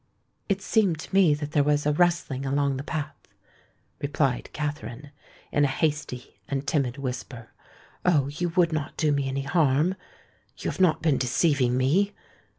"It seemed to me that there was a rustling along the path," replied Katherine, in a hasty and timid whisper. "Oh! you would not do me any harm—you have not been deceiving me?